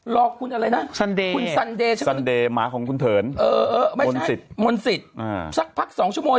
รอคุณอะไรน่ะคุณซันเดทคุณโิสักพักสองชั่วโมง